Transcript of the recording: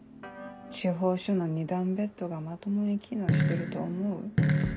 地方署の２段ベッドがまともに機能してると思う？